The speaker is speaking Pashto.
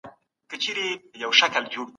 دا ډول قرباني په ټولنه کي ستايل کيږي.